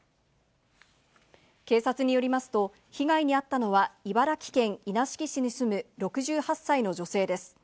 警察によりますと、被害に遭ったのは茨城県稲敷市に住む６８歳の女性です。